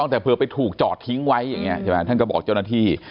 แต่เผื่อไปถูกจอดทิ้งไว้อย่างนี้ใช่ไหมท่านก็บอกเจ้าหน้าที่